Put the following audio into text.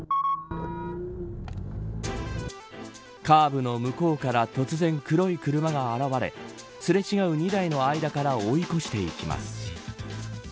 カーブの向こうから突然黒い車が現れすれ違う２台の間から追い越していきます。